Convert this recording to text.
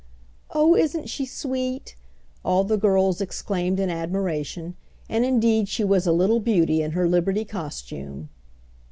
"Oh, isn't she sweet!" all the girls exclaimed in admiration, and indeed she was a little beauty in her Liberty costume.